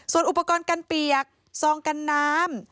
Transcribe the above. ส่วนอุปกรณ์กันเปียกซองกันน้ำ